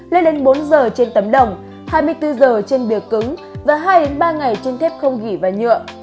lên đến bốn giờ trên tấm đồng hai mươi bốn giờ trên bìa cứng và hai ba ngày trên thép không gửi và nhựa